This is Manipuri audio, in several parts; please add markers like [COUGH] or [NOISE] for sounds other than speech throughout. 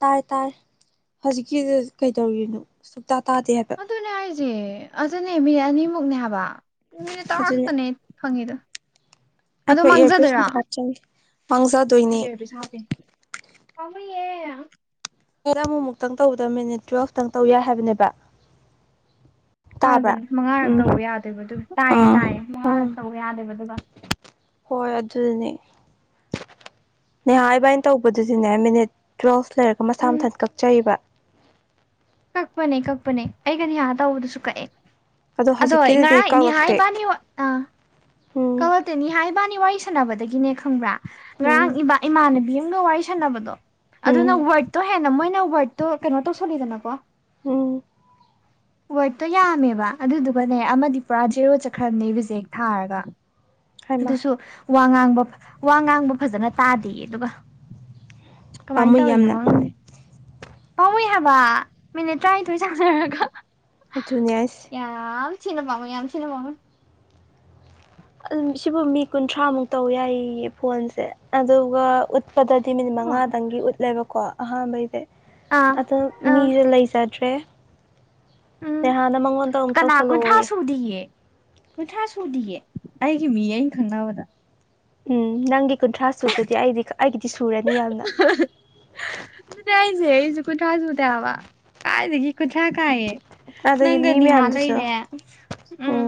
ꯇꯥꯔꯦ ꯇꯥꯔꯦ ꯍꯧꯖꯤꯛꯀꯤꯗꯨ ꯀꯩꯗꯧꯔꯤꯅꯣ ꯁꯨꯛꯇ ꯇꯥꯗꯦ ꯍꯥꯏꯕ ꯑꯗꯨꯅꯦ ꯍꯥꯏꯖꯦ ꯑꯗꯨꯅꯦ ꯃꯤꯅꯠ ꯑꯅꯤꯃꯨꯛꯅꯦ ꯍꯥꯏꯕ ꯎꯞ ꯃꯤꯅꯤꯠ ꯇꯔꯥ ꯑꯗꯨꯅꯦ ꯈꯛꯇꯅꯦ ꯐꯪꯉꯤꯗꯣ ꯑꯗꯨ ꯑꯩꯈꯣꯏ ꯏꯌꯥꯔꯄꯤꯁ ꯃꯥꯡꯖꯗꯔꯥ ꯑꯝꯇ ꯍꯥꯞꯆꯤꯟꯒꯦ ꯃꯥꯡꯖꯗꯣꯏꯅꯦ [UNINTELLIGIBLE] ꯄꯥꯝꯃꯨꯏꯌꯦ [UNINTELLIGIBLE] ꯑꯃꯨꯃꯨꯛꯇꯪ ꯇꯧꯕꯗ ꯃꯤꯅꯤꯠ ꯇꯨꯋꯦꯜꯐꯇꯪ ꯇꯧ ꯌꯥꯏ ꯍꯥꯏꯕꯅꯦꯕ ꯇꯥꯕ꯭ꯔꯥ ꯍꯥꯏꯕꯅꯤ ꯃꯉꯥꯔꯛ ꯎꯝ ꯇꯧꯕ ꯌꯥꯗꯦꯕ ꯑꯗꯨꯒꯤ ꯇꯥꯏꯌꯦ ꯑꯥ ꯇꯥꯏꯌꯦ ꯑꯥ ꯃꯉꯥꯔꯛ ꯇꯧꯕ ꯌꯥꯗꯦꯕ ꯑꯗꯨꯒ ꯍꯣꯏ ꯑꯗꯨꯗꯅꯦ ꯅꯦꯍꯥ ꯏꯕꯥꯏꯅꯤ ꯇꯧꯕꯗꯨꯗꯤꯅꯦ ꯃꯤꯅꯤꯠ ꯇꯨꯋꯦꯜꯐ ꯂꯩꯔꯒ ꯃꯁꯥ ꯎꯝ ꯃꯊꯟ ꯀꯛꯆꯔꯤꯕ ꯀꯛꯄꯅꯦ ꯀꯛꯄꯅꯦ ꯑꯩꯒ ꯅꯤꯍꯥ ꯇꯧꯕꯗꯁꯨ ꯀꯛꯑꯦ ꯑꯗꯣ ꯑꯗꯣꯏ ꯍꯧꯖꯤꯛꯀꯤꯗꯨꯗꯤ ꯉꯔꯥꯡ ꯅꯤꯍꯥ ꯀꯛꯂꯛꯇꯦ ꯍꯥꯏꯕꯅꯤ ꯑꯣ ꯑꯥ ꯎꯝ ꯀꯛꯂꯛꯇꯦ ꯅꯤꯍꯥ ꯏꯕꯥꯅꯤ ꯋꯥꯔꯤ ꯁꯥꯟꯅꯕꯗꯒꯤꯅꯦ ꯈꯪꯕ꯭ꯔꯥ ꯉꯔꯥꯡ ꯎꯝ ꯏꯕꯥ ꯏꯃꯥꯟꯅꯕꯤ ꯑꯝꯒ ꯋꯥꯔꯤ ꯁꯥꯟꯅꯕꯗꯣ ꯑꯗꯨꯅ ꯎꯝ ꯋꯥ꯭ꯔꯗꯇꯣ ꯍꯦꯟꯅ ꯃꯣꯏꯅ ꯋꯥ꯭ꯔꯗ ꯇꯣ ꯀꯩꯅꯣ ꯇꯧꯁꯤꯜꯂꯤꯗꯅꯀꯣ ꯎꯝ ꯋꯥ꯭ꯔꯗꯇꯣ ꯌꯥꯝꯃꯦꯕ ꯑꯗꯨꯗꯨꯒꯅꯦ ꯑꯃꯗꯤ ꯄꯨꯔꯥ ꯖꯦꯔꯣ ꯆꯠꯈ꯭ꯔꯝꯅꯦ ꯔꯤꯖꯦꯛ ꯊꯥꯔꯒ ꯍꯥꯏꯃ ꯑꯗꯨꯁꯨ ꯋꯥ ꯉꯥꯡꯕ ꯐ ꯋꯥ ꯉꯥꯡꯕ ꯐꯖꯅ ꯇꯥꯗꯦꯌꯦ ꯑꯗꯨꯒ ꯀꯃꯥꯏꯟ ꯄꯥꯝꯃꯨꯏ ꯇꯧꯔꯤꯅꯣ ꯌꯥꯝꯅ ꯈꯪꯗꯦ ꯄꯥꯝꯃꯨꯏ ꯍꯥꯏꯕ ꯃꯤꯅꯤꯠ ꯇ꯭ꯔꯥꯏꯠꯊꯣꯏ ꯁꯥꯟꯅꯔꯒ ꯑꯗꯨꯅꯦ ꯍꯥꯏꯁꯦ ꯌꯥꯝ ꯊꯤꯅ ꯄꯥꯝꯃꯨꯏ ꯌꯥꯝ ꯊꯥꯅ ꯄꯥꯝꯃꯨꯏ ꯌꯥꯝ ꯑꯟ ꯁꯤꯕꯨ ꯃꯤ ꯀꯨꯟꯊ꯭ꯔꯥꯃꯨꯛ ꯇꯧ ꯌꯥꯏꯌꯦꯌꯦ ꯐꯣꯟꯁꯦ ꯑꯗꯨꯒ ꯎꯠ ꯄꯗꯗꯤ ꯃꯤꯅꯤꯠ ꯑꯥ ꯃꯉꯥꯗꯪꯒꯤ ꯎꯠꯂꯦꯕꯀꯣ ꯑꯍꯥꯟꯕꯩꯗꯤ ꯑꯗꯣ ꯑꯥ ꯃꯤꯖꯨ ꯂꯩꯖꯗ꯭ꯔꯦ ꯎꯝ ꯅꯦꯍꯥꯅ ꯃꯉꯣꯟꯗ ꯑꯃꯨꯛ ꯀꯅꯥ ꯀꯨꯟꯊ꯭ꯔꯥ ꯇꯧꯁꯜꯂꯛꯑꯣꯌꯦ ꯁꯨꯗꯤꯌꯦ ꯀꯨꯟꯊ꯭ꯔꯥ ꯁꯨꯗꯤꯌꯦ ꯑꯩꯒꯤ ꯃꯤ ꯑꯩꯟ ꯈꯪꯅꯕꯗ ꯎꯝ ꯅꯪꯒꯤ ꯀꯨꯟꯊ꯭ꯔꯥ ꯁꯨꯗ꯭ꯔꯗꯤ ꯑꯩꯗꯤ ꯑꯩꯒꯤꯗꯤ ꯁꯨꯔꯅꯤ ꯌꯥꯝꯅ ꯑꯗꯨꯅꯦ ꯍꯥꯏꯖꯦ ꯑꯩꯖꯨ ꯀꯨꯟꯊ꯭ꯔꯥ ꯁꯨꯗꯦ ꯍꯥꯏꯕ ꯀꯥꯏꯗꯒꯤ ꯀꯨꯊ꯭ꯥꯔ ꯀꯥꯏꯌꯦ ꯑꯗꯒꯤ ꯅꯪꯒ ꯃꯤ ꯅꯤꯍꯥ ꯃꯌꯥꯝꯗꯨꯁꯨ ꯂꯩꯔꯦ ꯎꯝ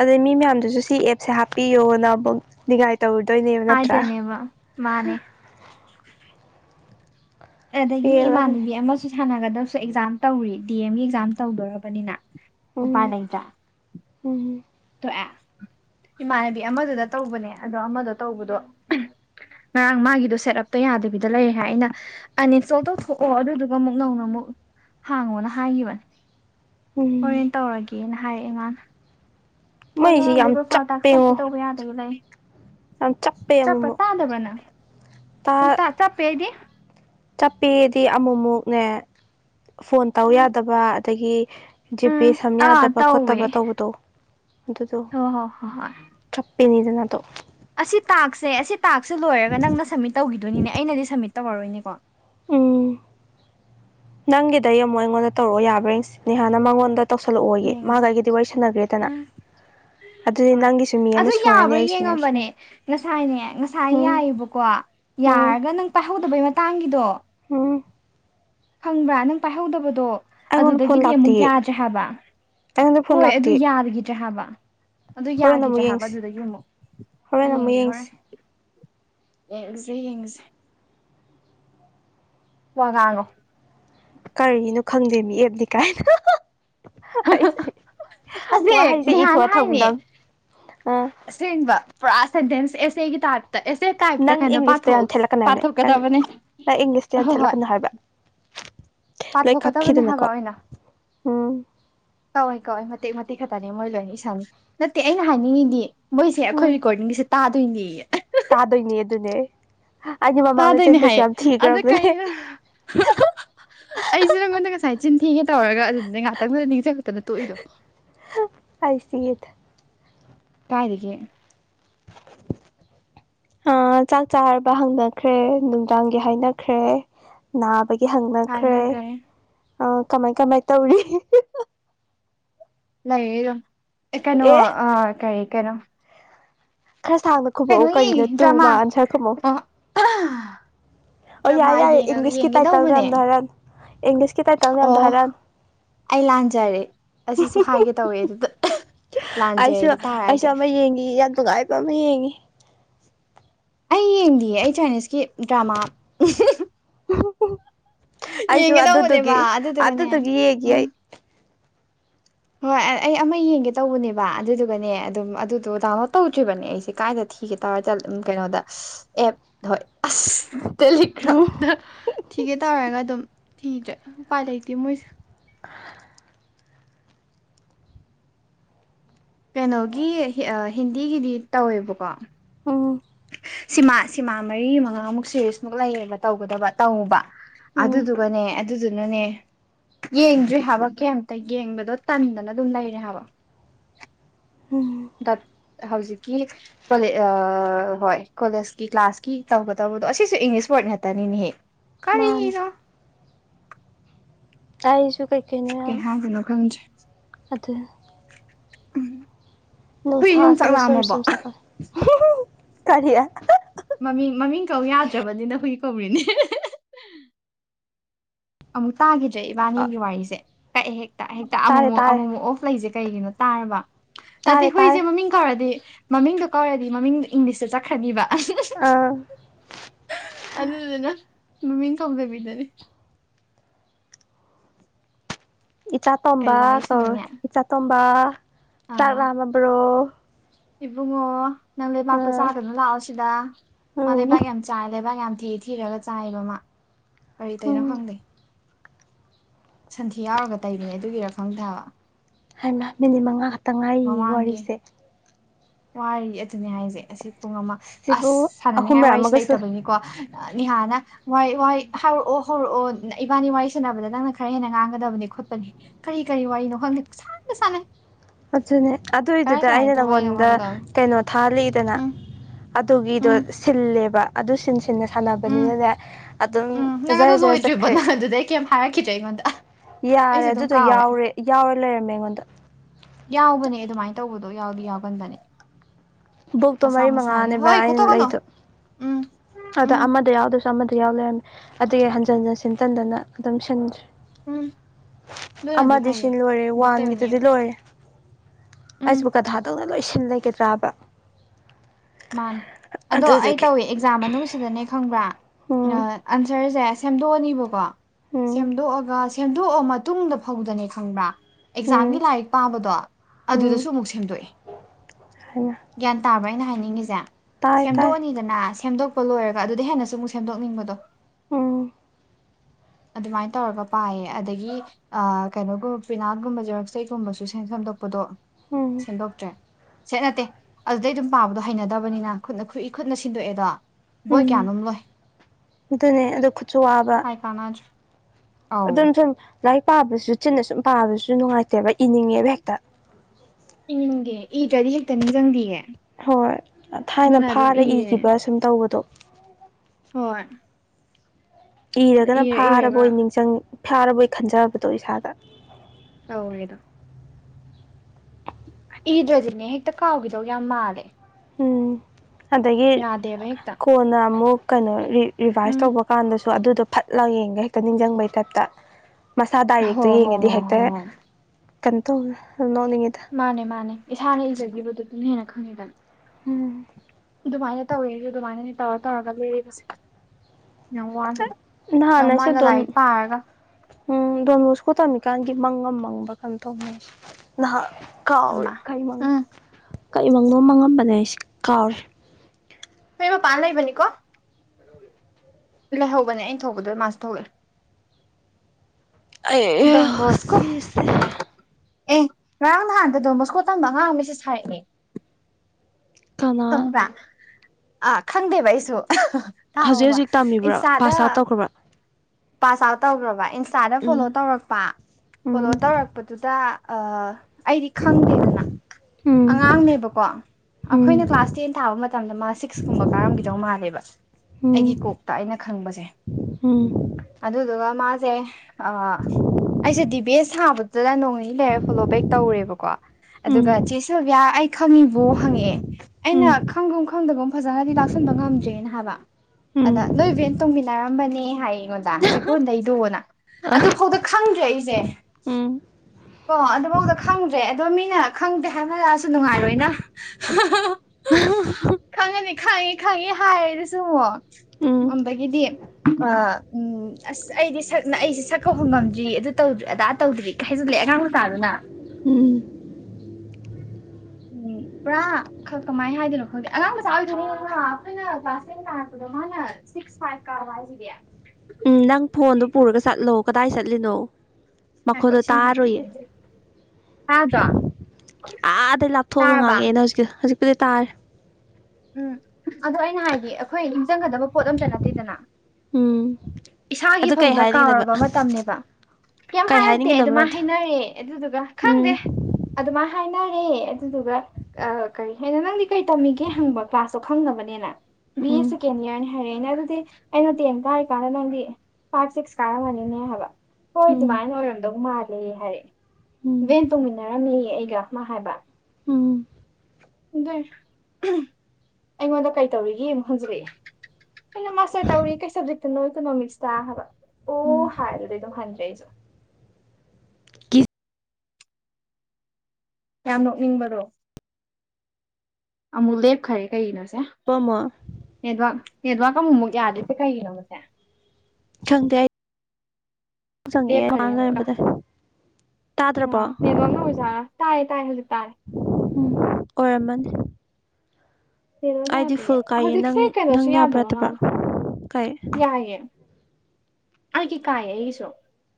ꯑꯗꯩ ꯃꯤ ꯃꯌꯥꯝꯗꯨꯁꯨ ꯁꯤ ꯑꯦꯞꯁꯦ ꯍꯥꯞꯄꯤꯌꯣꯅ ꯑꯃꯨꯛ ꯅꯤꯡꯉꯥꯏ ꯇꯧꯔꯨꯗꯣꯏꯅꯦꯕ ꯅꯠꯇ꯭ꯔꯥ ꯍꯥꯏꯗꯣꯏꯅꯦꯕ ꯃꯥꯅꯦ ꯑꯗꯒꯤ ꯄꯦꯜꯂꯕꯅꯦ ꯏꯃꯥꯟꯅꯕꯤ ꯑꯃꯁꯨ ꯁꯥꯟꯅꯒꯗꯕꯁꯨ ꯑꯦꯛꯖꯥꯝ ꯇꯧꯔꯤ ꯗꯤ ꯑꯦꯝꯒꯤ ꯑꯦꯛꯖꯥꯝ ꯇꯧꯗꯣꯔꯕꯅꯤꯅ ꯎꯄꯥꯏ ꯎꯝ ꯂꯩꯇ꯭ꯔꯥ ꯎꯝ [UNINTELLIGIBLE] ꯏꯃꯥꯟꯅꯕꯤ ꯑꯃꯗꯨꯗ ꯇꯧꯕꯅꯦ ꯑꯗꯣ ꯑꯃꯗ ꯇꯧꯕꯗꯣ ꯉꯔꯥꯡ ꯃꯥꯒꯤꯗꯣ ꯁꯦꯠ ꯑꯞꯇ ꯌꯥꯗꯕꯤꯗ ꯂꯩꯔꯦ ꯍꯥꯏ ꯑꯩꯅ ꯑꯟꯏꯟꯁꯇꯣꯜ ꯇꯧꯊꯣꯛꯑꯣ ꯑꯗꯨꯗꯨꯒ ꯑꯃꯨꯛ ꯅꯧꯅ ꯑꯃꯨꯛ ꯍꯥꯡꯉꯣꯅ ꯍꯥꯏꯒꯤꯕꯅꯦ ꯎꯝ ꯍꯣꯔꯦꯟ ꯇꯧꯔꯒꯦꯅ ꯍꯥꯏꯔꯛꯑꯦ ꯃꯥꯅ ꯃꯥ ꯃꯣꯏꯁꯤ ꯌꯥꯝ ꯉꯔꯥꯡꯗꯩ ꯄ꯭ꯔꯣꯐꯥꯏꯜ ꯇꯥꯛꯁꯀꯥ ꯑꯝꯇ ꯆꯞꯄꯦꯉꯣ ꯇꯧꯕ ꯌꯥꯗꯕꯤ ꯂꯩꯔꯤ ꯌꯥꯝ ꯆꯞꯄꯦ ꯆꯞꯄ ꯑꯃꯨꯛꯃꯨꯛ ꯇꯥꯗꯕꯔ ꯅꯪ ꯇꯥ ꯅꯪ ꯇꯥꯏ ꯆꯞꯄꯦꯗꯤ ꯆꯞꯄꯦꯗꯤ ꯑꯃꯨꯛꯃꯨꯛꯅꯦ ꯐꯣꯟ ꯇꯧ ꯎꯝ ꯌꯥꯗꯕ ꯑꯗꯒꯤ ꯖꯤꯄꯦ ꯎꯝ ꯁꯝ ꯑꯥ ꯌꯥꯗꯕ ꯇꯧꯋꯦ ꯈꯣꯠꯇꯕ ꯇꯧꯕꯗꯣ ꯑꯗꯨꯗꯣ ꯍꯣ ꯍꯣ ꯍꯣ ꯍꯣꯏ ꯆꯞꯄꯤꯅꯤꯗꯅꯥ ꯑꯗꯣ ꯑꯁꯤ ꯇꯥꯛꯁꯦ ꯑꯁꯤ ꯇꯥꯛꯁꯦ ꯂꯣꯏꯔꯒ ꯅꯪꯅ ꯁꯝꯃꯤꯠ ꯇꯧꯒꯤꯗꯣꯏꯅꯤꯅꯦ ꯑꯩꯅꯗꯤ ꯁꯝꯃꯤꯠ ꯇꯧꯔꯔꯣꯏꯅꯦꯀꯣ ꯎꯝ ꯅꯪꯒꯤꯗꯩ ꯑꯃꯨꯛ ꯑꯩꯉꯣꯟꯗ ꯇꯧꯔꯛꯑꯣ ꯌꯥꯕ꯭ꯔꯥ ꯌꯦꯡꯁꯤ ꯅꯦꯍꯥꯅ ꯃꯉꯣꯟꯗ ꯇꯧꯁꯜꯂꯛꯑꯣꯌꯦ ꯌꯦꯡꯖꯦ ꯃꯥꯒ ꯑꯩꯒꯗꯤ ꯋꯥꯔꯤ ꯁꯥꯟꯅꯒ꯭ꯔꯦꯗꯅ ꯎꯝ ꯑꯗꯨꯗꯤ ꯍꯣꯏ ꯅꯪꯒꯤꯁꯨ ꯃꯤ ꯑꯃ ꯑꯗꯨ ꯁꯨꯔꯅꯤ ꯌꯥꯕ꯭ꯔꯥ ꯑꯩꯒꯤꯁꯨ ꯃꯤ ꯑꯃ ꯌꯦꯡꯉꯝꯕꯅꯦ ꯁꯨꯔꯅꯤ ꯉꯁꯥꯏꯅꯦ ꯉꯁꯥꯏ ꯎꯝ ꯌꯥꯏꯌꯦꯕꯀꯣ ꯎꯝ ꯌꯥꯔꯒ ꯅꯪ ꯇꯍꯧꯗꯕꯩ ꯃꯇꯥꯡꯒꯤꯗꯣ ꯎꯝ ꯈꯪꯕ꯭ꯔꯥ ꯅꯪ ꯄꯥꯏꯍꯧꯗꯕꯗꯣ ꯑꯩꯉꯣꯟꯗ ꯐꯣꯟ ꯑꯗꯨꯗꯒꯤꯗꯤ ꯑꯃꯨꯛ ꯂꯥꯛꯇꯤꯌꯦ ꯌꯥꯗ꯭ꯔꯦ ꯍꯥꯏꯕ ꯑꯩꯉꯣꯟꯗ ꯐꯣꯟ ꯍꯣꯏ ꯑꯗꯨ ꯂꯥꯛꯇꯦ ꯌꯥꯒꯤꯗ꯭ꯔꯦ ꯍꯥꯏꯕ ꯑꯗꯨ ꯍꯣꯔꯦꯟ ꯑꯃꯨꯛ ꯌꯥꯒꯤꯗ꯭ꯔꯦ ꯍꯥꯏꯕ ꯌꯦꯡꯁꯤ ꯑꯗꯨꯗꯒꯤ ꯑꯃꯨꯛ ꯍꯣꯔꯦꯟ ꯑꯃꯨꯛ ꯌꯦꯡꯒꯦ ꯍꯣꯔꯦꯟ ꯌꯦꯡꯁꯤ ꯌꯦꯡꯉꯁꯤ ꯌꯦꯡꯉꯁꯤ ꯋꯥꯥ ꯉꯥꯉꯣ ꯀꯔꯤꯅꯣ ꯈꯪꯗꯦꯃꯤ ꯑꯦꯞꯅꯤ ꯀꯥꯏꯅ ꯑꯩꯁꯦ ꯑꯁꯦ ꯋꯥꯍꯩꯁꯦ ꯅꯤꯍꯥꯟ ꯏꯊꯣꯛꯑ ꯍꯥꯏꯅꯦ ꯊꯝꯗꯪ ꯑꯥ ꯑꯁꯦꯡꯕ ꯄꯨꯔꯥ ꯁꯦꯟꯇꯦꯟꯁ ꯑꯦꯁ ꯑꯦꯒꯤ ꯇꯥ__ ꯇ ꯑꯦꯁꯦ ꯇꯥꯏꯞꯇ ꯅꯪ ꯀꯥꯏꯅ ꯏꯪꯂꯤꯁꯇ ꯌꯥꯝ ꯄꯥꯊꯣꯛꯁ ꯊꯦꯠꯂꯛꯀꯅꯣ ꯍꯥꯏꯕꯅꯦ ꯅꯪ ꯄꯥꯊꯣꯛꯀꯗꯕꯅꯤ ꯅꯪ ꯏꯪꯂꯤꯁꯇ ꯍꯣ ꯍꯣꯏ ꯌꯥꯟꯊꯠꯂꯛꯀꯅꯨ ꯍꯥꯏꯕ ꯂꯣꯏ ꯄꯥꯊꯣꯛꯀꯗꯕꯅꯦ ꯍꯥꯏꯕ ꯀꯛꯈꯤꯗꯅꯀꯣ ꯑꯣꯏꯅ ꯎꯝ ꯀꯧꯏ ꯀꯧꯏ ꯃꯇꯦꯛ ꯃꯇꯦꯛ ꯈꯛꯇꯅꯤ ꯃꯣꯏ ꯂꯣꯏꯅ ꯏꯁꯥꯅꯤ ꯅꯠꯇꯦ ꯑꯩꯅ ꯍꯥꯏꯅꯤꯡꯉꯤꯗꯤ ꯃꯣꯏꯁꯦ ꯑꯩꯈꯣꯏ ꯎꯝ ꯔꯦꯀꯣꯔꯗꯤꯡꯒꯤꯁꯦ ꯇꯥꯗꯣꯏꯅꯦꯌꯦ ꯇꯥꯗꯣꯏꯅꯦ ꯑꯗꯨꯅꯦ ꯑꯩꯗꯤ ꯃꯞ__ ꯇꯥꯗꯣꯏꯅꯦ ꯍꯥꯏꯌꯦ ꯑꯗ ꯀꯩꯅꯣ ꯑꯩꯁꯨ ꯅꯉꯣꯟꯗ ꯉꯁꯥꯏ ꯆꯤꯟ ꯊꯤꯒꯦ ꯇꯧꯔꯒ ꯑꯗꯨꯗꯅꯦ ꯉꯥꯛꯇꯪꯗꯨꯗ ꯅꯤꯡꯁꯤꯡꯉꯛꯇꯅ ꯇꯣꯛꯏꯗꯣ ꯑꯩꯁ ꯇꯥꯌꯦꯗ ꯀꯥꯏꯗꯒꯤ [INAUDIBLE] ꯑꯥ ꯆꯥꯛ ꯆꯥꯔꯕ ꯍꯪꯅꯈ꯭ꯔꯦ ꯅꯨꯡꯗꯥꯡꯒꯤ ꯍꯥꯏꯅꯈ꯭ꯔꯦ ꯅꯥꯕꯒꯤ ꯍꯪꯅꯈ꯭ꯔꯦ ꯍꯥꯏꯅꯈ꯭ꯔꯦ ꯑꯥ ꯀꯃꯥꯏ ꯀꯃꯥꯏ ꯇꯧꯔꯤ ꯂꯩꯌꯦ ꯑꯗꯨꯝ ꯑꯦ ꯀꯩꯅꯣ ꯑ ꯀꯩ ꯀꯩꯅꯣ ꯈꯔ ꯁꯥꯡꯅ ꯀꯩꯅꯣ ꯈꯨꯝꯃꯛꯎ ꯀꯔꯤꯅꯣ ꯇꯨ ꯃꯥ ꯑꯟꯁꯔ ꯈꯨꯝꯃꯛꯛꯑꯣ ꯑꯥ ꯑꯣ ꯗ꯭ꯔꯃꯥ ꯌꯥꯔꯦ ꯌꯥꯔꯦ ꯌꯦꯡꯉ ꯏꯪꯂꯤꯁꯀꯤ ꯌꯦꯡꯒꯦ ꯇꯥꯏꯇꯜ ꯇꯧꯕꯅꯦ ꯃꯌꯥꯝꯗꯣ ꯍꯥꯏꯔꯛꯑꯅꯨ ꯏꯪꯂꯤꯁꯀꯤ ꯇꯥꯏꯇꯜ ꯃꯌꯥꯝꯗꯣ ꯑꯣ ꯍꯥꯏꯔꯛꯑꯅꯨ ꯑꯩ ꯂꯥꯟꯖꯔꯦ ꯑꯁꯤꯁꯨ ꯍꯥꯏꯒꯦ ꯇꯧꯋꯦ ꯑꯗꯨꯗ ꯑꯩꯁꯨ ꯂꯥꯟꯖꯔꯦꯗ ꯑꯩꯁꯨ ꯇꯥꯔꯛꯑꯒꯦ ꯑꯃ ꯌꯦꯡꯉꯤ ꯌꯥꯝ ꯅꯨꯡꯉꯥꯏꯕ ꯑꯃ ꯌꯦꯡꯉꯤ ꯑꯩ ꯌꯦꯡꯗꯤꯌꯦ ꯑꯩ ꯆꯥꯏꯅꯤꯁꯀꯤ ꯗ꯭ꯔꯃꯥ ꯑꯩꯁꯨ ꯌꯦꯡꯒꯦ ꯑꯗꯨꯗꯨꯒꯤ ꯇꯧꯕꯅꯦꯕ ꯑꯗꯨꯗꯨꯒꯅꯦ ꯑꯗꯨꯗꯨꯒꯤ ꯌꯦꯒꯤ ꯑꯩ ꯎꯝ ꯍꯣꯏ ꯑ ꯑꯩ ꯑꯃ ꯌꯦꯡꯒꯦ ꯇꯧꯕꯅꯦꯕ ꯑꯗꯨꯗꯨꯒꯅꯦ ꯑꯗꯨꯝ ꯑꯗꯨꯗꯣ ꯗꯥꯎꯟꯂꯣꯗ ꯇꯧꯗ꯭ꯔꯤꯕꯅꯦ ꯑꯩꯁꯦ ꯀꯥꯏꯗ ꯊꯤꯒꯦ ꯇꯧꯔ ꯇꯜꯍꯧꯕ ꯎꯝ ꯀꯩꯅꯣꯗ ꯑꯦꯞ ꯍꯣꯏ ꯑꯁ ꯎꯝ ꯇꯦꯂꯤꯒ꯭ꯔꯥꯝꯗ ꯊꯤꯒꯦ ꯇꯧꯔꯒ ꯑꯗꯨꯝ ꯊꯤꯗ꯭ꯔꯦ ꯎꯄꯥꯏ ꯂꯩꯇꯦ ꯃꯣꯏꯁꯦ ꯀꯩꯅꯣꯒꯤ ꯍꯤ ꯑꯥ ꯍꯤꯟꯗꯤꯒꯤꯗꯤ ꯇꯧꯋꯦꯕꯀꯣ ꯎꯝ ꯁꯤꯃꯥ ꯁꯤꯃꯥ ꯃꯔꯤ ꯃꯉꯥꯃꯨꯛ ꯁꯤꯔꯤꯁꯃꯨꯛ ꯂꯩꯌꯦꯕ ꯇꯧꯒꯗꯕ ꯇꯧꯕ ꯎꯝ ꯑꯗꯨꯗꯨꯒꯅꯦ ꯑꯠ ꯑꯗꯨꯗꯨꯅꯅꯦ ꯌꯦꯡꯗ꯭ꯔꯤ ꯍꯥꯏꯕ ꯀꯩꯝꯇ ꯌꯦꯡꯕꯗꯣ ꯇꯟꯗꯅ ꯑꯗꯨꯝ ꯂꯩꯔꯦ ꯍꯥꯏꯕ ꯎꯝ ꯗꯠ ꯍꯧꯖꯤꯛꯀꯤ ꯀꯣꯂꯦ ꯑ ꯍꯣꯏ ꯀꯣꯂꯦꯖꯀꯤ ꯀ꯭ꯂꯥꯁꯀꯤ ꯇꯧꯕꯗꯣ ꯑꯁꯤꯁꯨ ꯏꯪꯂꯤꯁ ꯋꯥ꯭ꯔ ꯉꯠꯇꯅꯤꯅꯦ ꯍꯦ ꯃꯥꯅꯤ ꯀꯔꯤꯅꯣ ꯀꯥꯏꯁꯨ ꯀꯩ ꯀꯩ ꯍꯥꯏꯗꯣꯥꯅꯣ ꯈꯪꯗ꯭ꯔꯦ ꯑꯗꯨ ꯎꯝ ꯅꯪ ꯍꯨꯏ ꯆꯥꯛ ꯊꯥꯁꯤꯅ ꯁꯨꯝ ꯂꯥꯝꯃꯕꯣ ꯁꯨꯝ ꯁꯥꯀꯥ ꯀꯔꯤ ꯃꯃꯤꯡ ꯃꯃꯤꯡ ꯀꯧ ꯌꯥꯗ꯭ꯔꯕꯅꯤꯅ ꯍꯨꯏ ꯀꯧꯔꯤꯅꯦ ꯑꯃꯨꯛ ꯇꯥꯈꯤꯗ꯭ꯔꯦ ꯏꯕꯥꯅꯤꯒꯤ ꯋꯥꯔꯤꯁꯦ ꯀꯛꯑꯦ ꯍꯦꯛꯇ ꯍꯦꯛꯇ ꯇꯥꯔꯦ ꯑꯃꯃꯨꯛ ꯇꯥꯔꯦ ꯑꯃꯃꯨꯛ ꯑꯣꯞ ꯂꯩꯖꯦ ꯀꯒꯤꯅꯣ ꯇꯥꯔꯕ ꯅꯠꯇꯣ ꯇꯥꯔꯦ ꯇꯥꯔꯦ ꯍꯨꯏꯖꯦ ꯃꯃꯤꯡ ꯀꯧꯔꯗꯤ ꯃꯃꯤꯡꯗꯨ ꯀꯧꯔꯗꯤ ꯃꯃꯤꯡꯗꯨ ꯏꯪꯂꯤꯁꯇ ꯆꯠꯈ꯭ꯔꯅꯤꯕ ꯑꯥ ꯑꯗꯨꯗꯨꯅ ꯃꯃꯤꯡ ꯀꯧꯗꯕꯤꯗꯅꯦ ꯏꯆꯥ ꯀꯩ ꯇꯣꯝꯕ ꯋꯥꯔꯤ ꯀꯧꯔꯣ ꯁꯥꯟꯅꯅꯤ ꯏꯆꯥ ꯇꯣꯝꯕ ꯑ ꯆꯥꯛ ꯂꯥꯛꯂꯥꯝꯃꯕ꯭ꯔꯣ ꯏꯕꯨꯡꯉꯣ ꯅꯪ ꯂꯩꯕꯥꯛꯇꯣ ꯑꯥ ꯆꯥꯒꯗꯅꯣ ꯂꯥꯛꯑꯣ ꯁꯤꯗ ꯃꯥ ꯎꯝ ꯂꯩꯕꯥꯛ ꯌꯥꯝ ꯆꯥꯏ ꯂꯩꯕꯥꯛ ꯌꯥꯝ ꯊꯤ ꯊꯤꯔꯒ ꯆꯥꯏꯑꯕ ꯃꯥ ꯀꯔꯤ ꯇꯧꯅꯣ ꯎꯝ ꯈꯪꯗꯦ ꯁꯟꯊꯤ ꯌꯥꯎꯔꯒ ꯇꯩꯕꯅꯦ ꯑꯗꯨꯒꯤꯔ ꯈꯪ ꯍꯥꯕ ꯍꯥꯏꯃ ꯃꯤꯅꯤꯠ ꯃꯉꯥ ꯈꯇꯪ ꯉꯥꯏꯔꯤ ꯋꯥꯔꯤꯁꯦ ꯉꯥꯏꯔꯤ ꯑꯗꯨꯅꯦ ꯍꯥꯏꯖꯦ ꯑꯁꯤ ꯄꯨꯡ ꯑꯃ ꯁꯤꯕꯨ ꯑꯁ ꯁꯥꯟꯅꯅꯤꯡꯉꯥꯏ ꯑꯍꯨꯝꯔꯛ ꯋꯥꯔꯤꯁꯤ ꯑꯃꯒꯁꯨ ꯂꯩꯇꯕꯩꯅꯤ ꯀꯣ ꯅꯤꯍꯥꯅ ꯋꯥꯏ ꯋꯥꯥꯏ ꯍꯧꯔꯛꯑꯣ ꯍꯧꯔꯛꯑꯣ ꯏꯕꯥꯅꯤ ꯋꯥꯔꯤ ꯁꯥꯟꯅꯕꯗ ꯅꯪꯅ ꯈꯔ ꯍꯦꯟꯅ ꯉꯥꯡꯒꯗꯕꯅꯦ ꯈꯣꯠꯄꯅꯦ ꯀꯔꯤ ꯀꯔꯤ ꯋꯥꯔꯤꯅꯣ ꯈꯪꯗꯦ ꯄꯨꯛꯁꯥꯟꯗ ꯁꯥꯟꯅꯩ ꯑꯗꯨꯅꯦ ꯀꯔꯥꯏ ꯑꯗꯨꯏꯗꯨꯗ ꯀꯔꯥꯏ ꯑꯩꯅ ꯊꯣꯛꯂꯛꯏꯅꯣ ꯅꯪꯉꯣꯟꯗ ꯈꯪꯗꯕꯅꯤ ꯀꯩꯅꯣ ꯊꯥꯍꯜꯂꯤꯛꯏꯗꯅ ꯎꯝ ꯑꯗꯨꯒꯤꯗꯣ ꯎꯝ ꯁꯤꯜꯂꯦꯕ ꯑꯗꯨ ꯁꯤꯟꯁꯤꯟꯅ ꯎꯝ ꯁꯥꯟꯅꯕꯅꯤꯅꯅꯦ ꯑꯗꯨꯝ ꯖꯔ ꯖꯔ ꯆꯠꯈ꯭ꯔꯦ ꯃꯗꯨꯗꯩ ꯀꯩꯌꯤꯝ ꯍꯥꯏꯔꯛꯒꯤꯗ꯭ꯔꯦ ꯑꯩꯉꯣꯟꯗ ꯌꯥꯔꯦ ꯑꯩꯁꯨ ꯑꯗꯨꯝ ꯑꯗꯨꯗꯣ ꯀꯥꯎꯔꯦ ꯌꯥꯎꯔꯦ ꯌꯥꯎꯔꯦ ꯂꯩꯔꯝꯃꯦ ꯑꯩꯉꯣꯟꯗ ꯌꯥꯎꯕꯅꯦ ꯑꯗꯨꯃꯥꯏ ꯇꯧꯕꯗꯣ ꯌꯥꯎꯗꯤ ꯌꯥꯎꯒꯟꯕꯅꯦ ꯕꯨꯛꯇꯣ ꯃꯁꯥ ꯃꯔꯤ ꯃꯁꯥꯒꯤ ꯃꯉꯥꯅꯦꯕ ꯍꯣꯏ ꯑꯩꯅ ꯈꯣꯠꯇꯣꯛꯀꯅꯣ ꯂꯩꯗꯣ ꯎꯝ ꯑꯗ ꯎꯝ ꯑꯃꯗ ꯌꯥꯎꯗꯁꯨ ꯑꯃꯗ ꯌꯥꯎ ꯂꯩꯔꯝꯃꯤ ꯑꯗꯨꯒꯤ ꯍꯟꯖꯟ ꯍꯟꯖꯟ ꯁꯤꯟꯇꯗꯅ ꯑꯗꯨꯝ ꯁꯤꯟꯗ꯭ꯔꯦ ꯎꯝ ꯑꯗꯨꯅꯗꯤ ꯑꯃꯗꯤ ꯐꯩꯌꯦ ꯁꯤꯟ ꯂꯣꯏꯔꯦ ꯕꯨꯛ ꯇꯧꯔꯅꯤ ꯋꯥꯟꯒꯤꯗꯨꯗꯤ ꯂꯣꯏꯔꯦ ꯎꯝ ꯑꯩꯁꯤꯕꯨ ꯀꯗꯥꯗꯧꯅ ꯂꯣꯏꯁꯤꯟ ꯂꯩꯒꯗ꯭ꯔꯥꯕ ꯃꯥꯅꯦ ꯑꯗꯣ ꯑꯩ ꯑꯗꯨꯗꯨꯒꯤ ꯇꯧꯌꯦ ꯑꯦꯛꯖꯥꯝ ꯃꯅꯨꯡꯁꯤꯗꯅꯦ ꯈꯪꯕ꯭ꯔꯥ ꯑ‌ ꯎꯝ ꯑꯟꯁ꯭ꯔꯁꯦ ꯁꯦꯝꯗꯣꯛꯑꯅꯤꯕꯀꯣ ꯎꯝ ꯁꯦꯝꯗꯣꯛꯑꯒ ꯁꯦꯝꯗꯣꯛꯑ ꯃꯇꯨꯡꯗ ꯐꯧꯕꯗꯅꯦ ꯈꯪꯕ꯭ꯔꯥ ꯑꯦꯛꯖꯥꯝꯒꯤ ꯎꯝ ꯂꯥꯏꯔꯤꯛ ꯄꯥꯝꯕꯗꯣ ꯎꯝ ꯑꯗꯨꯗꯁꯨ ꯑꯃꯨꯛ ꯁꯦꯝꯗꯣꯛꯑꯦ ꯍꯥꯏꯅ ꯌꯥꯟ ꯇꯥꯕ꯭ꯔ ꯍꯥꯏꯅꯤꯡꯉꯤꯖꯦ ꯇꯥꯏ ꯇꯥꯏ ꯁꯦꯝꯗꯣꯛꯑꯅꯤꯗꯅ ꯁꯦꯝꯗꯣꯛꯄ ꯂꯣꯏꯔꯒ ꯑꯗꯨꯗꯩ ꯍꯦꯟꯅꯁꯨ ꯑꯃꯨꯛ ꯁꯦꯝꯗꯣꯛꯅꯤꯡꯕꯗꯣ ꯎꯝ ꯑꯗꯨꯃꯥꯏ ꯇꯧꯔꯒ ꯄꯥꯏꯌꯦ ꯑꯗꯒꯤ ꯑ ꯀꯩꯅꯣꯒꯨꯝ ꯄꯤꯅꯥꯠꯒꯨꯝꯕꯖꯤꯔꯣ ꯆꯩꯒꯨꯝꯕꯁꯨ ꯁꯦꯝ ꯁꯦꯝꯗꯣꯛꯄꯗꯣ ꯎꯝ ꯁꯦꯝꯗꯣꯛꯇ꯭ꯔꯦ ꯁꯦꯠ ꯅꯠꯇꯦ ꯑꯗꯨꯗꯩ ꯑꯗꯨꯝ ꯄꯥꯕꯗꯣ ꯍꯩꯅꯗꯕꯅꯤꯅ ꯈꯨꯠꯅ ꯈꯨꯠꯏ ꯈꯨꯠꯅ ꯁꯤꯟꯗꯣꯛꯑꯦꯗꯣ ꯕꯣꯏ ꯎꯝ ꯀꯌꯥꯅꯣꯝ ꯂꯣꯏ ꯑꯗꯨꯅꯦ ꯑꯗꯨ ꯈꯨꯠꯁꯨ ꯋꯥꯕ ꯀꯅꯥꯗ꯭ꯔꯦ ꯑꯗꯨꯝ ꯁꯨꯝ ꯂꯥꯏꯔꯤꯛ ꯄꯥꯕꯁꯨ ꯆꯤꯟꯅ ꯁꯨꯝ ꯄꯥꯕꯁꯨ ꯅꯨꯡꯉꯥꯏꯇꯦꯕ ꯏꯅꯤꯡꯉꯦꯕ ꯍꯦꯛꯇ ꯏꯅꯤꯡꯒꯦ ꯏꯗ꯭ꯔꯗꯤ ꯍꯦꯛꯇ ꯅꯤꯡ ꯆꯪꯗꯤꯒꯦ ꯍꯣꯏ ꯊꯥꯏꯅ ꯐꯥꯔ ꯏꯈꯤꯕ ꯁꯨꯝ ꯇꯧꯕꯗꯣ ꯍꯣꯏ ꯏꯔꯒꯅ ꯏꯔ ꯏꯔꯒ ꯐꯥꯔꯕꯣꯏ ꯅꯤꯡꯁꯤꯡ ꯐꯥꯔꯕꯣꯏ ꯈꯟꯖꯕꯗꯣ ꯏꯁꯥꯗ ꯇꯧꯔꯦꯗꯣ ꯏꯗ꯭ꯔꯗꯤꯅꯦ ꯍꯦꯛꯇ ꯀꯥꯎꯈꯤꯗꯧ ꯌꯥꯝ ꯃꯥꯜꯂꯦ ꯎꯝ ꯑꯗꯒꯤ ꯌꯥꯗꯦꯕ ꯍꯦꯛꯇ ꯀꯣꯟꯅ ꯑꯃꯨꯛ ꯀꯩꯅꯣꯔꯤ ꯔꯤꯚꯥꯏꯁ ꯎꯝ ꯇꯧꯕ ꯀꯥꯟꯗꯁꯨ ꯑꯗꯨꯗꯣ ꯐꯠꯂꯒ ꯌꯦꯡꯒ ꯍꯦꯛꯇ ꯅꯤꯡꯁꯤꯡꯕꯩ ꯇꯥꯏꯞꯇ ꯃꯁꯥ ꯍꯣ ꯗꯥꯏꯔꯦꯛꯇꯣ ꯍꯣ ꯌꯦꯡꯉꯗꯤ ꯍꯣ ꯍꯦꯛꯇ ꯍꯣ ꯍꯣꯏ ꯀꯩꯅꯣ ꯇꯧ ꯅꯣꯡꯅꯤꯡꯉꯦꯗ ꯃꯥꯅꯦ ꯃꯥꯅꯦ ꯏꯁꯥꯅ ꯏꯖꯒꯤꯕꯗꯨ ꯑꯗꯨꯅ ꯍꯦꯟꯅ ꯈꯪꯉꯤꯗꯅꯤ ꯎꯝ ꯑꯗꯨꯃꯥꯏꯅ ꯇꯧꯋꯦꯑꯩꯁꯨ ꯑꯗꯨꯃꯥꯏꯅꯅꯦ ꯇꯧꯔ ꯇꯧꯔꯒ ꯂꯩꯔꯤꯕꯥꯁꯤ ꯌꯥꯝ ꯋꯥꯗ ꯅꯍꯥꯟ ꯑꯩꯁꯦ ꯌꯥꯝꯋꯥꯅꯥ ꯗꯣꯟ ꯂꯥꯏꯔꯤꯛ ꯄꯥꯔꯒ ꯎꯝ ꯗꯣꯟ ꯕꯣꯁꯀꯣ ꯇꯝꯃꯤꯀꯥꯟꯒꯤ ꯃꯪꯉ ꯑꯝ ꯃꯪꯕ꯭ꯔꯥ ꯀꯩꯅꯣ ꯇꯧꯅꯤ ꯑꯩꯁꯤ ꯅꯍꯥꯛ ꯀꯥꯎꯔꯦ ꯃꯃꯥ ꯀꯩꯃꯪ ꯎꯝ ꯀꯩꯃꯪꯅꯣ ꯃꯪꯉꯝꯕꯅꯦ ꯑꯩꯁꯤ ꯀꯥꯎꯔꯦ ꯍꯣꯏ ꯃꯄꯟ ꯂꯩꯕꯅꯤꯀꯣ ꯂꯩꯍꯧꯕꯅꯦ ꯑꯩꯅ ꯊꯣꯛꯄꯗ ꯃꯥꯁ ꯊꯣꯛꯂꯦ ꯑꯩ ꯗꯣꯡꯕꯣꯁꯀꯣ ꯁꯤꯁꯦ ꯑꯦ ꯉꯔꯥꯡ ꯅꯍꯥꯟꯗ ꯗꯣꯕꯣꯁꯀꯣ ꯇꯝꯕ ꯑꯉꯥꯡ ꯃꯁꯦꯁ ꯍꯥꯏꯔꯛꯑꯦ ꯀꯅꯥ ꯈꯪꯕ꯭ꯔꯥ ꯑꯥ ꯈꯪꯗꯦꯕ ꯑꯩꯁꯨ ꯍꯧꯖꯤꯛ ꯇꯥꯑꯣꯕꯥ ꯍꯧꯖꯤꯛ ꯇꯝꯃꯤꯕ꯭ꯔꯥ ꯏꯟꯁꯇꯥꯗ ꯄꯥꯁ ꯑꯥꯎꯠ ꯇꯧꯈ꯭ꯔꯕ ꯄꯥꯁ ꯑꯥꯎꯠ ꯇꯧꯈ꯭ꯔꯕ ꯏꯟꯁꯇꯥꯗ ꯐꯣꯂꯣ ꯎꯝ ꯇꯧꯔꯛꯄ ꯎꯝ ꯐꯣꯂꯣ ꯇꯧꯔꯛ ꯄꯥꯗꯨꯗ ꯑꯥ ꯑꯩꯗꯤ ꯈꯪꯗꯦꯗꯅ ꯎꯝ ꯑꯉꯥꯡꯅꯦꯕꯀꯣ ꯑꯩꯈꯣꯏꯅ ꯎꯝ ꯀ꯭ꯂꯥꯁ ꯇꯦꯟ ꯊꯥꯕ ꯃꯇꯝꯗ ꯃꯥ ꯁꯤꯛꯁꯀꯨꯝꯕ ꯀꯥꯔꯝꯈꯤꯗꯧ ꯃꯥꯜꯂꯦꯕ ꯑꯩꯒꯤ ꯀꯣꯛꯇ ꯑꯩꯅ ꯈꯪꯕꯁꯦ ꯎꯝ ꯑꯗꯨꯗꯨꯒ ꯃꯥꯁꯦ ꯑꯥ ꯑꯩꯁꯦ ꯗꯤꯕꯦꯁ ꯁꯥꯕ ꯑꯗꯨꯗ ꯅꯣꯡꯅꯤꯅꯤ ꯂꯩꯔ ꯐꯣꯂꯣ ꯕꯦꯛ ꯇꯧꯔꯦꯕꯀꯣ ꯎꯝ ꯑꯗꯨꯒ ꯆꯦ ꯁꯤꯜꯕꯤꯌꯥ ꯑꯩ ꯈꯪꯉꯤꯕꯣ ꯍꯪꯉꯛꯑꯦ ꯑꯩꯅ ꯎꯝ ꯈꯪꯒꯨꯝ ꯈꯪꯗꯒꯨꯝ ꯐꯖꯅꯗꯤ ꯂꯥꯛꯁꯟꯕ ꯉꯝꯗ꯭ꯔꯦꯅ ꯍꯥꯏꯕ ꯎꯝ ꯎꯝ ꯑꯗ ꯅꯣꯏ ꯕꯚꯦꯟ ꯇꯣꯡꯃꯤꯟꯅꯔꯝꯕꯅꯦ ꯍꯥꯏ ꯑꯩꯉꯣꯟꯗ ꯆꯦꯛꯀꯣꯟꯗꯩꯗꯗꯣꯅ ꯑ ꯑꯗꯨ ꯐꯥꯎꯗ ꯈꯪꯗ꯭ꯔꯦ ꯑꯩꯁꯦ ꯎꯝ ꯀꯣ ꯑꯗꯨꯕꯧꯗ ꯈꯪꯗ꯭ꯔꯦ ꯑꯗꯣ ꯃꯤꯅ ꯈꯪꯗꯦ ꯍꯥꯏꯅꯔꯑꯁꯨ ꯅꯨꯡꯉꯥꯏꯔꯣꯏꯅ [UNINTELLIGIBLE] ꯈꯪꯉꯅꯤ ꯈꯪꯉꯤ ꯈꯪꯉꯦ ꯍꯥꯏꯔꯗꯨꯁꯨ ꯎꯝ ꯉꯝꯕꯒꯤꯗꯤ ꯑꯥ ꯎꯝ ꯑꯁ ꯑꯩꯗꯤ ꯁꯛꯅ ꯑꯩꯁꯦ ꯁꯛꯀꯧꯕ ꯉꯝꯗ꯭ꯔꯤ ꯑꯗꯨ ꯇꯧꯗ꯭ꯔꯤ ꯑꯗꯥ ꯇꯧꯗ꯭ꯔꯤ ꯀꯥ ꯍꯥꯏꯁꯨꯜꯂꯦ ꯑꯉꯥꯡ ꯃꯆꯥꯗꯨꯅ ꯎꯝ ꯎꯝ ꯄꯨꯔꯥ ꯀꯃꯥꯏꯅ ꯍꯥꯏꯗꯣꯏꯅꯣ ꯈꯪꯗꯦ ꯑꯉꯥꯡ ꯃꯆꯥ [UNINTELLIGIBLE] ꯑꯩꯈꯣꯏꯅ ꯀ꯭ꯂꯥꯁ ꯇꯦꯟ ꯇꯥꯔꯛꯄꯗꯣ ꯃꯥꯅ ꯁꯤꯛ ꯐꯥꯏꯚ ꯍꯥꯢꯁꯤꯗꯤ ꯎꯝ ꯅꯪ ꯐꯣꯟꯗꯨ ꯄꯨꯔꯒ ꯆꯠꯂꯣ ꯀꯗꯥꯏ ꯆꯠꯂꯤꯅꯣ ꯉꯥꯏꯈꯣ ꯃꯈꯣꯏꯗꯣ ꯏꯁꯤꯡ ꯇꯥꯔꯣꯏꯌꯦ ꯇꯥꯗ꯭ꯔꯣ ꯑꯥꯗꯩ ꯂꯥꯞꯊꯣꯛꯑꯒ ꯇꯥꯔꯕ ꯉꯥꯡꯉꯛꯑꯦ ꯅꯪ ꯍꯧꯖꯤꯀꯤꯗꯨ ꯍꯧꯖꯤꯛꯄꯨꯗꯤ ꯇꯥꯔꯦ ꯎꯝ ꯑꯗꯣ ꯑꯩꯅ ꯍꯥꯏꯗꯤ ꯑꯩꯈꯣꯏ ꯅꯤꯡꯁꯤꯡꯒꯗꯕ ꯄꯣꯠ ꯑꯝꯇ ꯅꯠꯇꯦꯗꯅ ꯎꯝ ꯏꯁꯥꯒꯤ ꯑꯗꯨ ꯀꯩ ꯐꯧꯗ ꯍꯥꯏꯅꯤꯡꯉꯤꯅꯣꯕ ꯀꯥꯎꯔꯕ ꯃꯇꯝꯅꯦꯕ ꯀꯩꯌꯥꯝ ꯀꯩ ꯍꯥꯏꯔꯛꯇꯦ ꯍꯥꯏꯅꯤꯡꯉꯤꯅꯣꯕ ꯑꯗꯨꯃꯥꯏꯅ ꯃꯥꯗꯣ ꯍꯥꯏꯅꯔꯦ ꯑꯗꯨꯗꯨꯒ ꯎꯝ ꯈꯪꯗꯦ ꯑꯗꯨꯃꯥꯏ ꯍꯥꯏꯅꯔꯦ ꯑꯗꯨꯗꯨꯒ ꯑ ꯀꯔꯤ ꯍꯥꯏꯩꯅ ꯅꯪꯗꯤ ꯀꯩ ꯇꯝꯃꯤꯒꯦ ꯍꯪꯕ ꯀ꯭ꯂꯥꯁꯇꯣ ꯈꯪꯅꯕꯅꯦꯅ꯫ ꯕꯤ ꯑꯦ ꯎꯝ ꯁꯦꯀꯦꯟ ꯏꯌꯥꯔꯅꯤ ꯍꯥꯏꯔꯛꯑꯦꯅꯦ ꯑꯗꯨꯗꯤ ꯑꯩꯅ ꯇꯦꯟ ꯀꯥꯏꯔ ꯀꯥꯟꯗ ꯗ ꯅꯪꯗꯤ ꯐꯥꯏꯚ ꯁꯤꯛꯁ ꯀꯥꯔꯝꯃꯅꯤꯅꯦ ꯍꯥꯏꯕ ꯍꯣꯏ ꯎꯝ ꯑꯗꯨꯃꯥꯏꯅ ꯑꯣꯏꯔꯝꯗꯧ ꯃꯥꯜꯂꯦ ꯍꯥꯏꯔꯛꯑꯦ꯫ ꯎꯝ ꯚꯦꯟ ꯇꯣꯡꯃꯤꯟꯅꯔꯝꯃꯦ ꯌꯦ ꯑꯩꯒ ꯃꯥ ꯍꯥꯏꯕ ꯎꯝ꯫ ꯑꯗꯨꯏ ꯑꯩꯉꯣꯟꯗ ꯀꯩ ꯇꯧꯔꯤꯒꯦ ꯑꯃꯨꯛ ꯍꯨꯖꯤꯜꯂꯛꯑꯦ ꯑꯩꯅ ꯃꯥꯁꯇꯔ ꯇꯧꯔꯤ ꯀꯩ ꯁꯕꯖꯦꯛꯇꯅꯣ ꯏꯀꯣꯅꯣꯃꯤꯛꯁꯇ ꯍꯥꯏꯕ ꯎꯝ ꯑꯣ ꯍꯥꯏꯔ ꯑꯗꯨꯗꯩ ꯑꯗꯨꯝ ꯍꯟꯗ꯭ꯔꯦ ꯑꯩꯁꯨ꯫ ꯀꯤꯕ ꯌꯥꯜꯝ ꯅꯣꯛꯅꯤꯡꯕꯗꯣ ꯑꯃꯨꯛ ꯂꯦꯞꯈꯔꯦ ꯀꯩꯒꯤꯅꯣꯁꯦ꯫ ꯄꯥꯃ [INAUDIBLE] ꯅꯗꯋꯥꯛ ꯅꯦꯗꯋꯥꯛꯀ ꯑꯃꯨꯃꯨꯛ ꯌꯥꯗꯣꯏꯁꯦ ꯀꯩꯒꯤꯅꯣ ꯃꯁꯦ꯫ ꯈꯪꯗꯦ ꯑꯩ꯫ ꯆꯪꯉꯛꯑꯦ ꯂꯦꯞꯈꯔꯦ ꯃꯄꯥꯟ ꯑꯃꯨꯛꯀ ꯂꯩꯔꯝꯕꯗ ꯇꯥꯗ꯭ꯔꯕꯣ ꯑꯥ ꯅꯦꯠꯋꯥꯛꯅ ꯑꯣꯖꯥꯔꯥ ꯇꯥꯏꯌꯦ ꯇꯥꯏ ꯍꯧꯖꯤꯛ ꯇꯥꯔꯦ꯫ ꯎꯝ ꯑꯣꯏꯔꯝꯃꯅꯤ꯫ ꯅꯦꯠꯋꯥꯛ ꯑꯩꯗꯤ ꯌꯥꯗꯌꯦꯦ ꯐꯨꯜ ꯀꯥꯏꯌꯦ ꯅꯪ ꯍꯧꯖꯤꯛꯁꯦ ꯅꯪ ꯀꯩꯅꯣꯁꯨ ꯌꯥꯕ꯭ꯔꯥ ꯌꯥꯗꯕ ꯅꯠꯇꯕ꯭ꯔꯥ ꯃꯥꯂꯦ ꯀꯥꯏ ꯌꯥꯏꯌꯦ꯫ ꯑꯩ ꯀꯩ ꯀꯥꯏꯌꯦ ꯑꯩꯒꯤꯁꯨ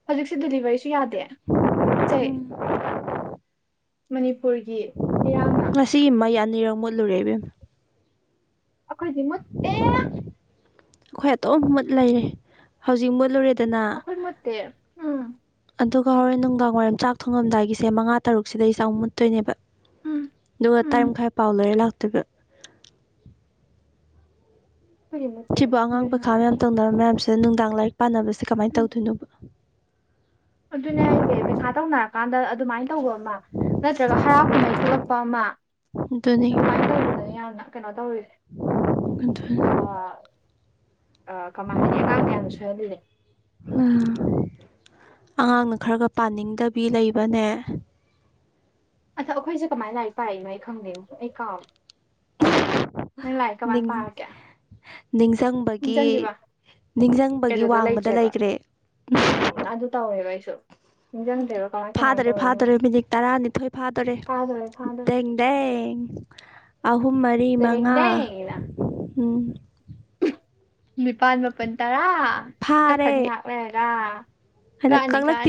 ꯍꯧꯖꯤꯛꯁꯦ ꯗꯤꯂꯤꯚꯔꯤꯁꯨ ꯌꯥꯗꯦ꯫ ꯄꯣꯠꯆꯩ ꯎꯝ ꯃꯅꯤꯄꯨꯔꯒꯤ ꯏꯔꯥꯡꯅ꯫ ꯉꯁꯤꯒꯤ ꯃꯩ ꯑꯅꯤꯔꯝ ꯃꯨꯠꯂꯨꯔꯦ ꯏꯕꯦꯝꯃ꯫ ꯑꯩꯈꯣꯏ ꯑꯩꯈꯣꯏ ꯑꯗꯨꯝ ꯃꯨꯠ ꯂꯩꯔꯦ ꯍꯧꯖꯤꯛ ꯃꯨꯠꯂꯨꯔꯦꯗꯅ ꯑꯈꯣꯏ ꯃꯨꯠꯇꯦ ꯎꯝ꯫ ꯑꯗꯨꯒ ꯍꯣꯔꯦꯟ ꯅꯨꯡꯗꯥꯡ ꯋꯥꯏꯔꯝ ꯆꯥꯛ ꯊꯣꯡꯉꯝꯗꯥꯏꯒꯤꯁꯦ ꯃꯉꯥ ꯇꯔꯨꯛꯁꯤꯗꯩ ꯆꯥꯎꯥꯛ ꯃꯨꯠꯇꯣꯏꯅꯦꯕ꯫ ꯎꯝ ꯑꯗꯨꯒ ꯎꯝ ꯇꯔꯥꯝ ꯃꯈ ꯄꯥꯎ ꯂꯣꯏꯔꯦ ꯂꯥꯛꯇꯣꯏꯕ꯫ ꯑꯩꯈꯣꯏꯗꯤ ꯃꯨꯠꯇꯦ ꯁꯤꯕꯨ ꯑꯉꯥꯡ ꯑꯗꯨꯏ ꯄꯩꯈꯥ ꯃꯌꯥꯝ ꯍꯥꯏꯔꯗꯤ ꯇꯧꯅꯕ ꯃꯌꯥꯝꯁꯤꯗ ꯅꯨꯡꯗꯥꯡ ꯂꯥꯏꯔꯤꯛ ꯄꯥꯅꯕꯁꯦ ꯀꯃꯥꯏꯅ ꯎꯝ ꯇꯧꯗꯨꯏꯅꯣꯕ? ꯑꯗꯨꯅꯦ ꯍꯥꯏꯁꯦ ꯄꯩꯈꯥ ꯇꯧꯅꯔꯀꯥꯟꯗ ꯑꯗꯨꯃꯥꯏꯅ ꯇꯧꯕ ꯑꯃ ꯅꯠꯇ꯭ꯔꯒ ꯍꯔꯥꯎ ꯀꯨꯝꯍꯩ ꯊꯣꯛꯂꯛꯄ ꯑꯃ꯫ ꯑꯗꯨꯅꯤ ꯑꯗꯨꯃꯥꯏꯅ ꯇꯧꯕꯗꯅꯦ ꯌꯥꯝꯅ ꯀꯩꯅꯣ ꯇꯧꯔꯤꯁꯦ ꯑ ꯑ ꯀꯃꯥꯏ ꯍꯥꯏꯅꯤ ꯑꯉꯥꯡꯗ ꯌꯥꯝꯅ ꯁꯣꯏꯍꯜꯂꯤꯂꯦ꯫ ꯑꯥ ꯑꯉꯥꯡꯅ ꯈꯔꯒ ꯄꯥꯅꯤꯡꯗꯕꯤ ꯂꯩꯕꯅꯦ꯫ ꯑꯗꯥ ꯑꯩꯈꯣꯏꯁꯦ ꯀꯃꯥꯏꯅ ꯂꯥꯏꯔꯤꯛ ꯄꯥꯏꯏꯅꯣ ꯑꯩ ꯈꯪꯗꯦꯕꯣ ꯑꯩ ꯀꯥꯎꯔꯦ꯫ ꯅꯪ ꯂꯥꯏꯔꯤꯛ ꯀꯃꯥꯏꯅ ꯄꯥꯔꯛꯀꯌꯦ? ꯅꯤꯡꯁꯤꯡꯕꯒꯤ ꯅꯤꯡꯁꯤꯡꯕꯒꯤ ꯋꯥꯡꯃꯗ ꯂꯩꯈ꯭ꯔꯦ ꯫ ꯑ ꯑꯗꯨ ꯇꯥꯎꯑꯣ ꯍꯦꯕ ꯑꯩꯁꯨ꯫ ꯅꯤꯡꯁꯤꯡꯗ꯭ꯔꯦꯕ ꯀꯃꯥꯏ ꯀꯃꯥꯏꯅ ꯐꯥꯗꯔꯦ ꯇꯧꯔꯤꯅꯣ ꯐꯥꯗꯣꯔꯦ ꯃꯤꯅꯤꯠ ꯇꯔꯥꯅꯤꯊꯣꯏ ꯐꯥꯗꯣꯔꯦ ꯐꯥꯗꯣꯔꯦ ꯐꯥꯗꯣꯔꯦ ꯗꯣꯔꯦ ꯗꯦꯡ ꯑꯍꯨꯝ ꯃꯔꯤ ꯃꯉꯥ ꯇꯦꯔꯦꯡꯗꯦꯡꯅ ꯎꯝ ꯅꯤꯄꯥꯜ ꯃꯥꯄꯜ ꯇꯔꯥ ꯀꯛꯈꯔꯅꯤ ꯉꯥꯏꯍꯥꯛ ꯂꯩꯔꯒ꯫ ꯍꯗꯛ ꯀꯛꯑꯅꯤ ꯀꯥꯛꯂꯛꯇꯦ꯫ ꯀꯛꯑꯅꯤ